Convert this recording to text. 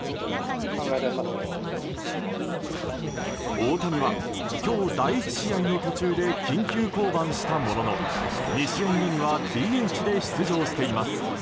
大谷は今日、第１試合の途中で緊急降板したものの２試合目にはＤＨで出場しています。